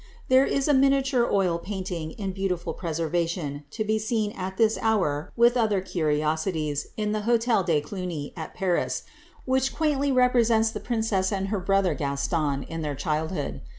There is a miniature oil painting, in beautiful preservation, to be seen at this hour, with other curiosities, in the Hotel de Cluny, at Paris, which quaintly represents the princess and her brother Gaston in their childhood.